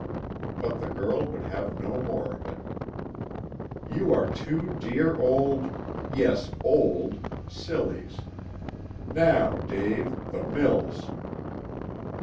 But the girl would have no more of it. "You are two dear old yes, 'old' sillies. Now, Dave, the mills!"